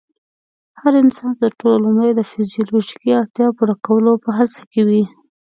هر انسان تر ټولو لومړی د فزيولوژيکي اړتیا پوره کولو په هڅه کې وي.